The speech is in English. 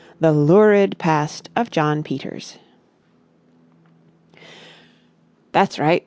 THE LURID PAST OF JNO. PETERS "That's right!"